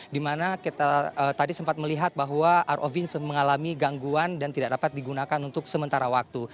dimana kita tadi sempat melihat bahwa rov mengalami gangguan dan tidak dapat digunakan untuk sementara waktu